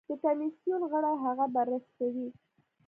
د کمېسیون غړي هغه بررسي کوي.